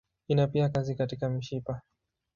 Ina pia kazi katika mishipa.